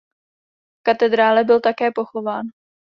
V katedrále byl také pochován.